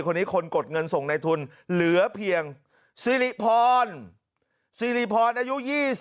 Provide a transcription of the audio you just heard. คนนี้คนกดเงินส่งในทุนเหลือเพียงสิริพรสิริพรอายุ๒๐